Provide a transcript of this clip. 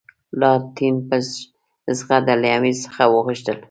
لارډ لیټن په زغرده له امیر څخه وغوښتل.